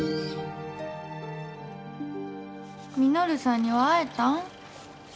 稔さんには会えたん？